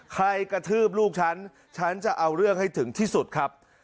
กระทืบลูกฉันฉันจะเอาเรื่องให้ถึงที่สุดครับ